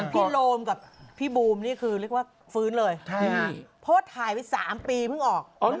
คุณโรมกับพี่บูมนี่คือเรียกว่าฟื้นเลยโพสต์ถ่ายไป๓ปีเพิ่งออก